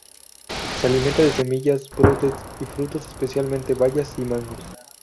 Se alimenta de semillas, brotes y frutos, especialmente bayas y mangos.